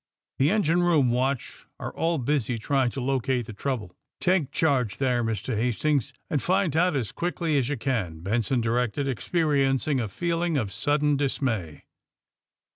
The engine room watch are all busy trying to locate the trouble. '' *^Take charge there, Mr. Hastings, and find out as quickly as you can, '' Benson directed, ex periencing a feeling of sudden dismay.